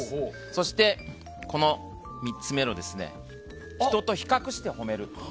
そして、３つ目の人と比較して褒める。